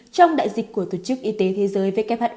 trong đại dịch của tổ chức y tế thế giới who